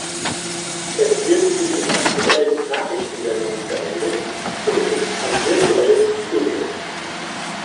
Es wird für die aktuellen Nachrichtensendungen verwendet und ist ein virtuelles Studio.